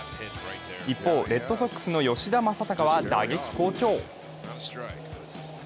一方、レッドソックスの吉田正尚は打撃好調。